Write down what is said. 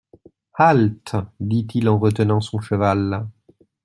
Halte ! dit-il en retenant son cheval.